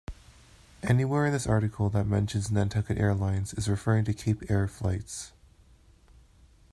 Anywhere in this article that mentions Nantucket Airlines is referring to Cape Air flights.